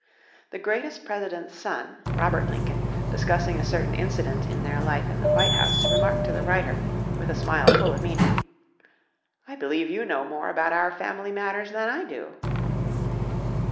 The greatest President's son, Robert Lincoln, discussing a certain incident in their life in the White House, remarked to the writer, with a smile full of meaning: "I believe you know more about our family matters than I do!"